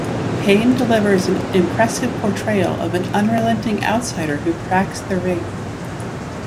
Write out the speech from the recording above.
Payne delivers an impressive portrayal of an unrelenting outsider who cracks the ring.